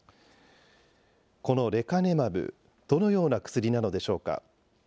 このレカネマブ、どのような薬なのでしょうか。